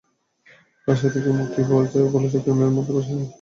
Russia যুক্তি দেখিয়ে বলেছে, ক্রিমিয়া এরই মধ্যে রাশিয়ার অংশ হয়ে গেছে।